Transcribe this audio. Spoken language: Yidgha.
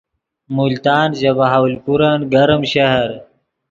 ملتان ژے بہاولپورن گرم شہر